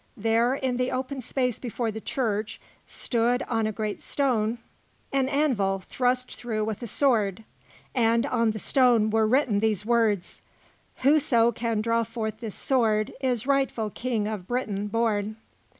There, in the open space before the church, stood, on a great stone, an anvil thrust through with a sword; and on the stone were written these words: "Whoso can draw forth this sword, is rightful King of Britain born."